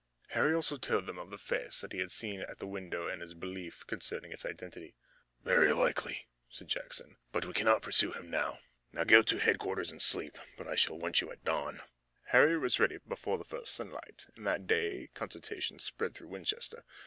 Harry also told then of the face that he had seen at the window and his belief concerning its identity. "Very likely," said Jackson, "but we cannot pursue him now. Now go to headquarters and sleep, but I shall want you at dawn." Harry was ready before the first sunlight, and that day consternation spread through Winchester.